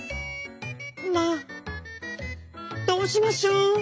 「まあどうしましょう！？」。